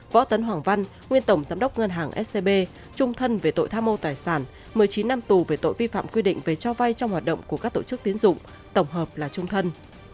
võ tấn hoàng văn nguyên tổng giám đốc ngân hàng scb trung thân về tội tham mô tài sản một mươi chín năm tù về tội vi phạm quy định về cho vay trong hoạt động của các tổ chức tiến dụng tổng hợp là trung thân